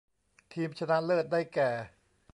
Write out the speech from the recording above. ทีมชนะเลิศได้แก่